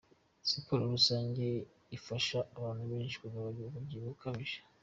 Siporo rusajye ifasha abantu benshi kubanya umubyibuho ukabije.